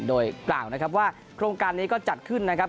โดยกล่าวนะครับว่าโครงการนี้ก็จัดขึ้นนะครับ